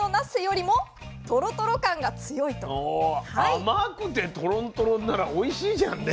甘くてトロントロンならおいしいじゃんね